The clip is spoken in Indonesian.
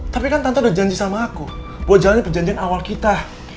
tapi kan tante udah janji sama aku bahwa jalannya perjanjian awal kita